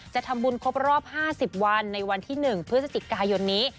จะทำบุญครบรอบ๕๐วันในวันที่๑พฤศจิกายนนี้